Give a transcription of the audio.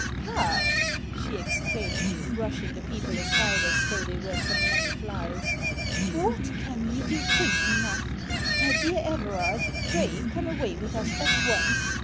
" she exclaimed, brushing the people aside as though they were so many flies. " What can you be thinking of? My dear Everard, pray come away with us at once.